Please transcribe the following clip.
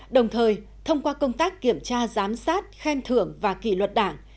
đồng thời thông qua công tác kiểm tra giám sát khen thưởng và kỷ luật đảng